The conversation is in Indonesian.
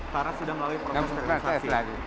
karena sudah melalui proses sterilisasi